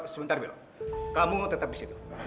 sebentar bilang kamu tetap di situ